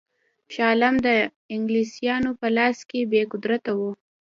شاه عالم د انګلیسیانو په لاس کې بې قدرته وو.